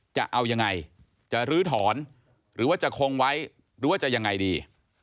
จะเอายังไงจะลื้อถอนหรือว่าจะคงไว้หรือว่าจะยังไงดี